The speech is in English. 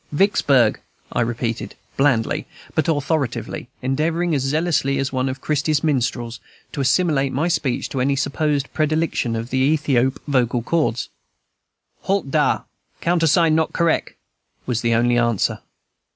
"Vicksburg," I repeated, blandly, but authoritatively, endeavoring, as zealously as one of Christy's Minstrels, to assimilate my speech to any supposed predilection of the Ethiop vocal organs. "Halt dar! Countersign not correck," was the only answer.